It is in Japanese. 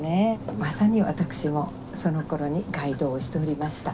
まさに私もそのころにガイドをしておりました。